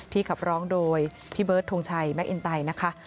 ที่กับร้องโดยพี่เบิร์ตทงชัยแม็กอินไตน์นะคะ